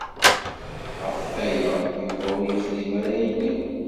Ɣef aya Yuba ur yexdim ara ayenni.